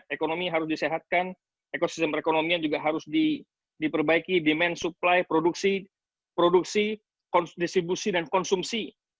ekonomi harus disehatkan ekosistem perekonomian juga harus diperbaiki demand supply produksi distribusi dan konsumsi